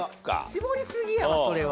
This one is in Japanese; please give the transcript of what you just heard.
絞りすぎやなそれは。